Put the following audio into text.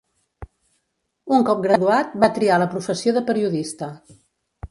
Un cop graduat va triar la professió de periodista.